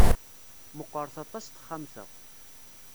Meqqret aṭas texxamt-a.